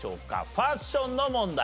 ファッションの問題。